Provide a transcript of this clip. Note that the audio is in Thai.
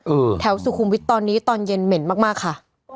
แถวสุขุมวิทย์ตอนนี้ตอนเย็นเหม็นมากมากค่ะ